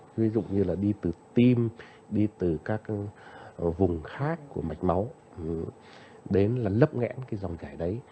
ví dụ như là đi từ tim đi từ các vùng khác của mạch máu đến là lấp ngẽn cái dòng chảy đấy